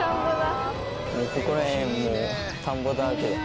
ここら辺もう田んぼだらけ。